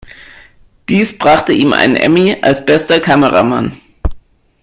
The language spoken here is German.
Dies brachte ihm einen Emmy als "Bester Kameramann".